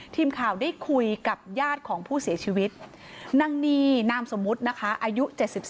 ทีมข่าวได้คุยกับญาติของผู้เสียชีวิตนางนีนามสมมุตินะคะอายุ๗๒